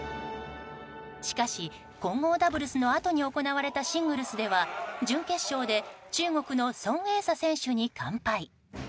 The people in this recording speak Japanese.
しかし、混合ダブルスのあとに行われたシングルスでは準決勝で中国のソン・エイサ選手に完敗。